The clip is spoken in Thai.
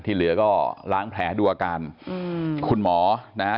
เหลือก็ล้างแผลดูอาการอืมคุณหมอนะฮะ